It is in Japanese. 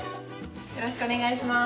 よろしくお願いします。